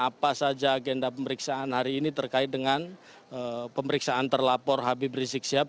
apa saja agenda pemeriksaan hari ini terkait dengan pemeriksaan terlapor habib rizik sihab